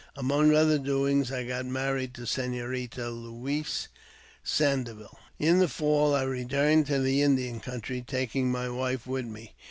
Among other doings, I got married to Senorita Xiouise Sandeville. In the fall I returned to the Indian country, taking my wife with me.